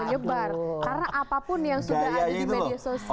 menyebar karena apapun yang sudah ada di media sosial